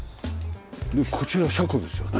でこちら車庫ですよね？